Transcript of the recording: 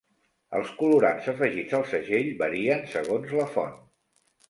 El colorants afegits al segell varien segons la font.